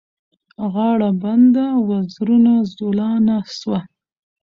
غاړه بنده وزرونه زولانه سوه